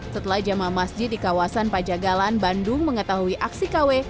setelah jamaah masjid di kawasan pajagalan bandung mengetahui aksi kw